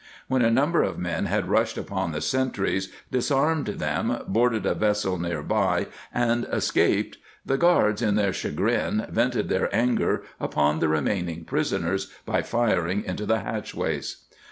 When a number of men had rushed upon the sentries, disarmed them, boarded a vessel near by and escaped, the guards in their chagrin vented their anger upon the remaining prisoners by firing into the hatchways.